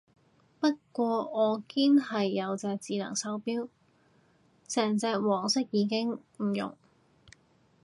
不過我堅係有隻智能手錶，成隻黃色已經唔用